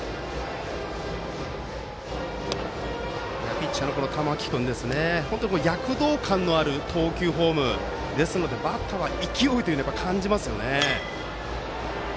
ピッチャーの玉木君は躍動感のある投球フォームですのでバッターは勢いを感じますよね。